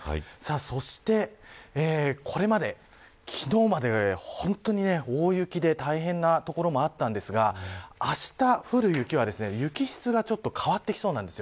そして、これまで昨日まで本当に大雪で大変な所もあったんですがあした、降る雪は雪質がちょっと変わってきそうなんです。